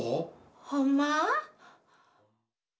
ほんま？